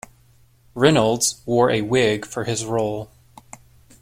Reynolds wore a wig for his role.